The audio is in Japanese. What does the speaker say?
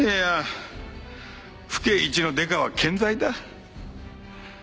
府警一のデカは健在だ。